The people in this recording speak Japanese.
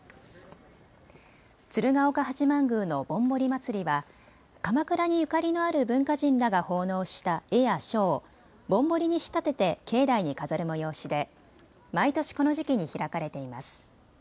鶴岡八幡宮のぼんぼり祭は鎌倉にゆかりのある文化人らが奉納した絵や書をぼんぼりに仕立てて境内に飾る催しで毎年、この時期に開かれています。